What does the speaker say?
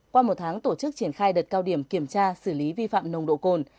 qua một tháng tổ chức triển khai đợt cao điểm kiểm tra xử lý vi phạm nồng độ cồn